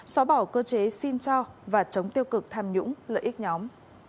xóa bỏ cơ chế xin cho và chống tiêu cực tham nhũng lợi ích nhóm